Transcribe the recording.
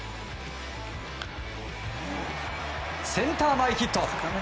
センター前ヒット！